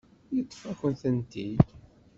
Yeṭṭef-akent-tent-id.